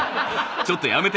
ちょっとやめて！